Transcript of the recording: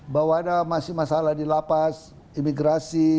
bahwa ada masih masalah di lapas imigrasi